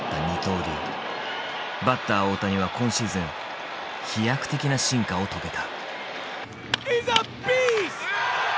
バッター大谷は今シーズン飛躍的な進化を遂げた。